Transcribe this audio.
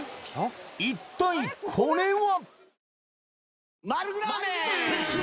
一体これは？